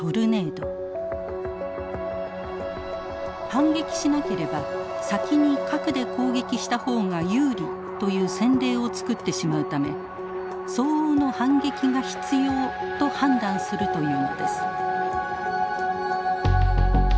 反撃しなければ先に核で攻撃したほうが有利という先例を作ってしまうため相応の反撃が必要と判断するというのです。